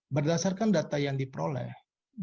berdasarkan data yang diberikan oleh seln